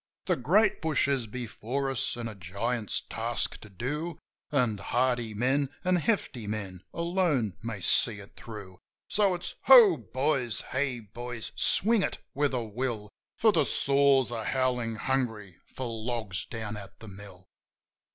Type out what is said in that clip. The great bush is before us, and a giant's task to do. And hearty men and hefty men alone may see it thro'. So it's: Ho, boys! Hey, boys ! Swing it with a will! For the saws are howlin' hungry for logs, down at the mill.